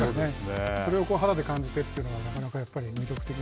それを肌で感じてっていうのは、なかなかやっぱり魅力的な。